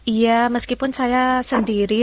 ya meskipun saya sendiri